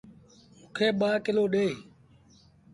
موݩ کي ٻآ ڪلو ڏي۔